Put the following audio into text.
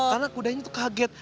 karena kudanya tuh kaget